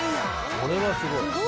これはすごい。